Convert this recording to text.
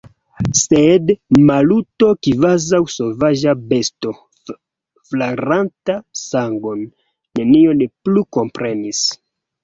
Sed Maluto, kvazaŭ sovaĝa besto, flaranta sangon, nenion plu komprenis.